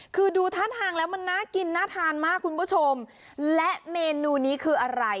คือดูท่าทางแล้วมันน่ากินน่าทานมากคุณผู้ชมและเมนูนี้คืออะไร